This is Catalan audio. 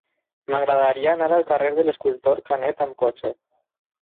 M'agradaria anar al carrer de l'Escultor Canet amb cotxe.